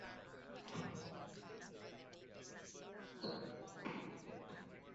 He also wrote several cantatas and motets, notably "De profundis".